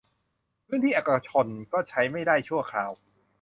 พื้นที่เอกชนก็ใช้ไม่ได้ชั่วคราว